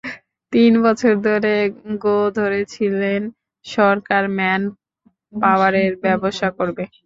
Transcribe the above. তিন বছর ধরে গোঁ ধরে ছিলেন সরকার ম্যান পাওয়ারের ব্যবসা করবে।